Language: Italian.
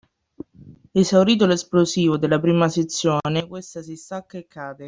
Esaurito l’esplosivo della prima sezione questa si stacca e cade